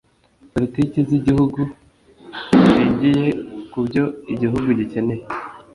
poritiki z’igihugu zishingiye ku byo igihugu gikeneye